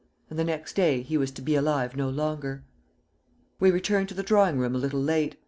And the next day he was to be alive no longer! "We returned to the drawing room a little late.